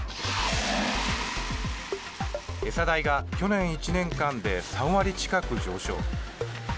餌代が去年１年間で３割近く上昇。